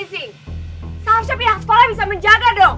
salah siapa yang asal bisa menjaga dong